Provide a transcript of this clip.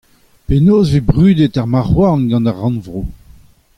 Penaos e vez brudet ar marcʼh-houarn gant ar Rannvro ?